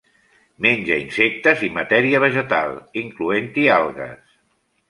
Menja insectes i matèria vegetal, incloent-hi algues.